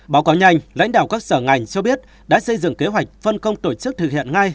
báo cáo nhanh lãnh đạo các sở ngành cho biết đã xây dựng kế hoạch phân công tổ chức thực hiện ngay